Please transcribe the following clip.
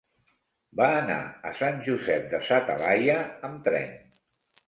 Va anar a Sant Josep de sa Talaia amb tren.